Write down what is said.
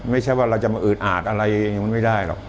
ไม่ใช่ว่าเราจะมาอืดอาดอะไรอย่างนี้มันไม่ได้หรอก